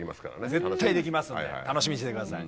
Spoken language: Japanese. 絶対できますんで楽しみにしててください。